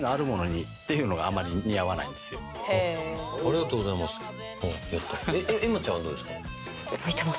ありがとうございます。